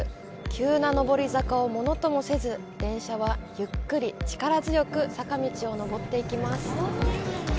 急な上り坂をものともせず電車は、ゆっくり力強く坂道を登っていきます。